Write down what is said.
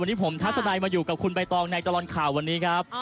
วันนี้ผมทัศนัยมาอยู่กับคุณใบตองในตลอดข่าววันนี้ครับ